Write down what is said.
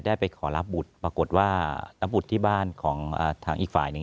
ไปขอรับบุตรปรากฏว่ารับบุตรที่บ้านของทางอีกฝ่ายหนึ่ง